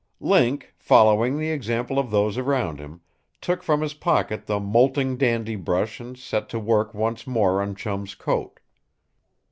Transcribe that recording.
Link, following the example of those around him, took from his pocket the molting dandy brush and set to work once more on Chum's coat.